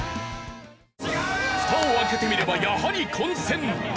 フタを開けてみればやはり混戦！